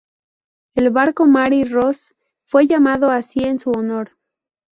El barco Mary Rose fue llamado así en su honor.